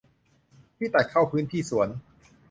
ที่ตัดเข้าพื้นที่สวน